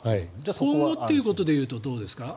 今後ということで言うとどうですか？